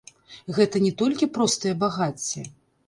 Гэта не толькі простае багацце.